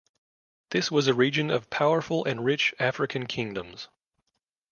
This was a region of powerful and rich African kingdoms.